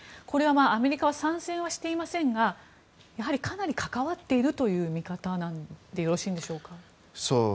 これは、アメリカは参戦はしていませんがやはりかなり関わっているという見方でよろしいのでしょうか。